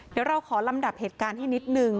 เดี๋ยวเราขอลำดับเหตุการณ์ให้นิดนึง